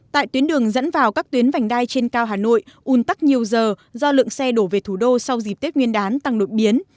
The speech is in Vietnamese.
tại tuyến đường dẫn vào các tuyến vành đai trên cao hà nội un tắc nhiều giờ do lượng xe đổ về thủ đô sau dịp tết nguyên đán tăng đột biến